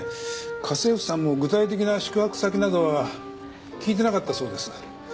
家政婦さんも具体的な宿泊先などは聞いてなかったそうです。